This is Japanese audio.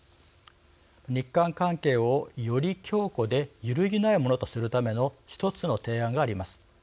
日韓関係をより強固で揺るぎないものとするための一つの提案があります。